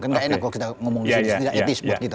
kan nggak enak kalau kita ngomong di setiap etis buat kita